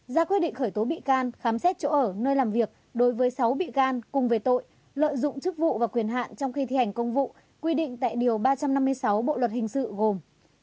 ra quyết định khởi tố bị can khám xét chỗ ở nơi làm việc đối với sáu bị can cùng về tội lợi dụng chức vụ và quyền hạn trong khi thi hành công vụ quy định tại điều ba trăm năm mươi sáu bộ luật hình sự gồm